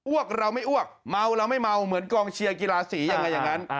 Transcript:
เราไม่อ้วกเมาเราไม่เมาเหมือนกองเชียร์กีฬาสียังไงอย่างนั้น